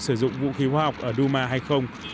sử dụng vũ khí hoa học ở douma hay không